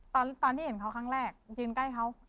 ตอนที่เห็นเขาครั้งแรกยืนใกล้เขา